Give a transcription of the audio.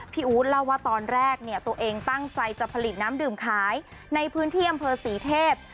อู๊ดเล่าว่าตอนแรกเนี่ยตัวเองตั้งใจจะผลิตน้ำดื่มขายในพื้นที่อำเภอศรีเทพ